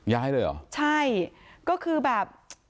ย้ายเลยเหรอใช่ก็คือแบบ